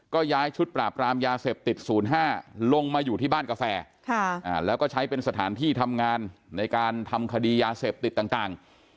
ก็ย้ายชุดปราบรามยาเสพติด๐๕ลงมาอยู่ที่บ้านกาแฟแล้วก็ใช้เป็นสถานที่ทำงานในการทำคดียาเสพติดต่าง